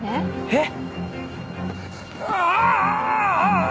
えっ？